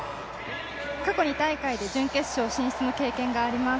過去２大会で準決勝進出の経験があります。